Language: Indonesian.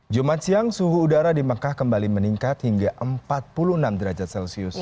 jumat siang suhu udara di mekah kembali meningkat hingga empat puluh enam derajat celcius